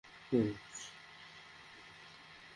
এ মহাসাগরই পশ্চিমের দেশগুলোকে ঘিরে আছে।